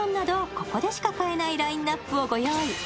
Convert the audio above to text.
ここでしか買えないラインナップをご用意。